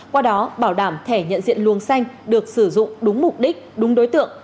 qua đó bảo đảm thẻ nhận diện luồng xanh được sử dụng đúng mục đích đúng đối tượng